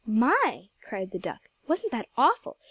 "My!" cried the duck. "Wasn't that awful?